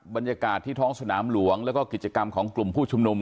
บรรยากาศที่ท้องสนามหลวงแล้วก็กิจกรรมของกลุ่มผู้ชุมนุม